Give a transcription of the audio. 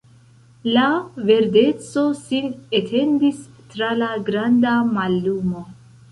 Ia verdeco sin etendis tra la granda mallumo.